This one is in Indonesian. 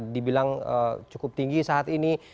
dibilang cukup tinggi saat ini